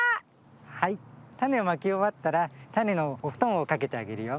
はいたねをまきおわったらたねのおふとんをかけてあげるよ。